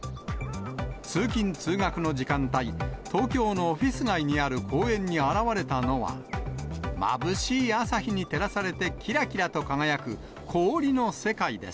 通勤・通学の時間帯、東京のオフィス街にある公園に現れたのは、まぶしい朝日に照らされてきらきらと輝く氷の世界です。